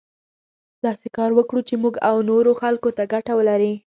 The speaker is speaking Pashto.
داسې کار وکړو چې موږ او نورو خلکو ته ګټه ولري.